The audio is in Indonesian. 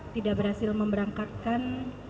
tidak berhasil memberangkatkan